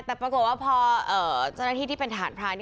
แต่ปรากฏว่าพอเจ้าหน้าที่ที่เป็นทหารพราน